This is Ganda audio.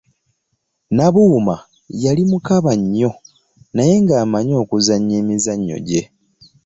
Nabuuma yali mukaba nnyo naye ng'amanyi okuzannya emizannyo gye.